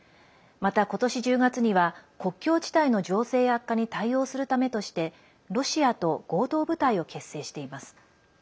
また今年１０月には、国境地帯の情勢悪化に対応するためとしてロシアと合同部隊を結成しています。